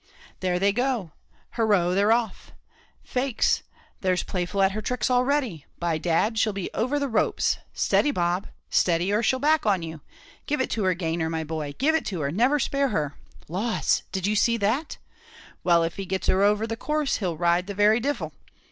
"There they go Hurroo! they're off. Faix, there's Playful at her tricks already by dad she'll be over the ropes! steady, Bob steady, or she'll back on you give it her, Gayner, my boy, give it her, never spare her laws! did you see that? Well if he gets her over the course, he'd ride the very divil.